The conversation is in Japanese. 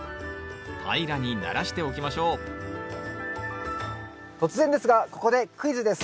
平らにならしておきましょう突然ですがここでクイズです。